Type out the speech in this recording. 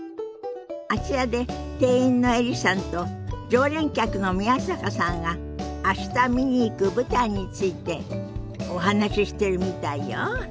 あちらで店員のエリさんと常連客の宮坂さんが明日見に行く舞台についてお話ししてるみたいよ。